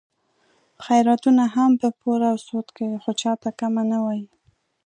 خیراتونه هم په پور او سود کوي، خو چاته کمه نه وایي.